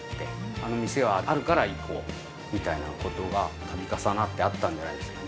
あの店は、あるから行こうみたいなことが、たび重なってあったんじゃないですか。